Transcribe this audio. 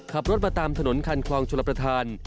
ขับรถมาตามถนนคันคลองชลประธาน